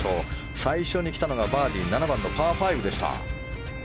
最初に来たのがバーディー７番のパー５でした。